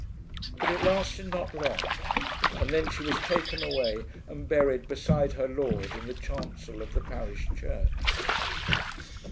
But it lasted not long, and then she was taken away and buried beside her lord in the chancel of the parish church.